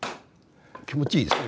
気持ちいいですね